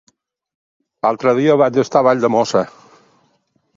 L'altre dia vaig estar a Valldemossa.